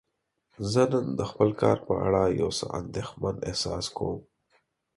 زه نن د خپل کار په اړه یو څه اندیښمن احساس کوم.